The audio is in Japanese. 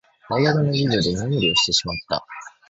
大学の授業で居眠りをしてしまった。